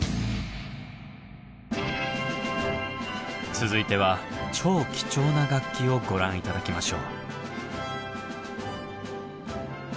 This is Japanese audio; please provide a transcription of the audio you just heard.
続いては超貴重な楽器をご覧頂きましょう。